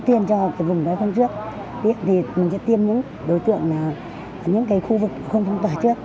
tiêm cho vùng f một trước tiêm những đối tượng ở những khu vực không phong tỏa trước